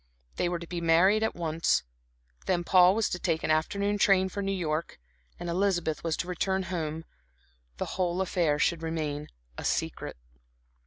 They were to be married at once. Then Paul was to take an afternoon train for New York, Elizabeth was to return home, the whole affair should remain a secret.